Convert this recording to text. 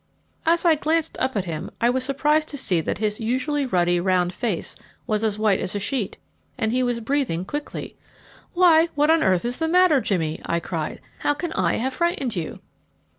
As I glanced up at him, I was surprised to see that his usually ruddy, round face was as white as a sheet, and he was breathing quickly. "Why, what on earth is the matter, Jimmy?" I cried; "how can I have frightened you?"